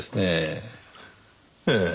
ええ。